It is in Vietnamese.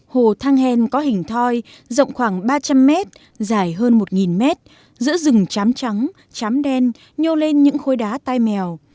hồ thăng hen có hình thoi rộng khoảng ba trăm linh mét dài hơn một mét giữa rừng chám trắng chám đen nhô lên những khối đá tai mèo